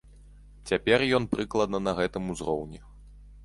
Цяпер ён прыкладна на гэтым узроўні.